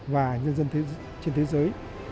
và nhân dân trên thế giới